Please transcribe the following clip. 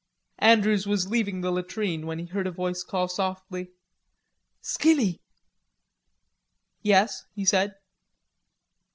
Andrews was leaving the latrine when he heard a voice call softly, "Skinny." "Yes," he said.